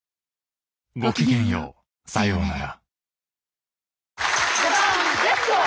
ごきげんようさようなら。